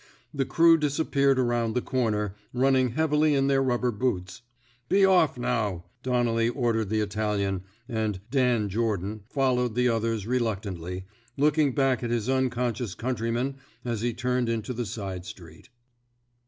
The crew disappeared around the comer, running heavily in their rubber boots. Be off now,'* Donnelly ordered the Italian, and Dan Jordan *' followed the others reluc tantly, looking back at his unconscious countryman as he turned into the side street.